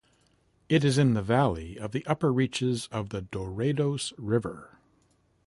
It is in the valley of the upper reaches of the Dourados River.